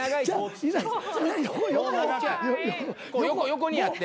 横にやって。